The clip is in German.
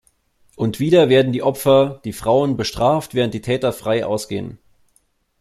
Und wieder werden die Opfer, die Frauen, bestraft, während die Täter frei ausgehen.